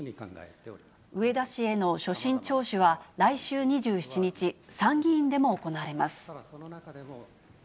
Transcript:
植田氏への所信聴取は、来週２７日、参議院でも行われます。